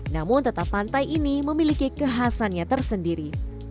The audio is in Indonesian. namun tetap pantai ini memiliki kekhasannya tersendiri